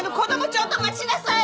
ちょっと待ちなさい！